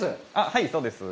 はい、そうです。